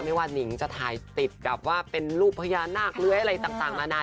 ไม่ว่านิงจะถ่ายติดกับว่าเป็นรูปพญานาคเลื้อยอะไรต่างนานา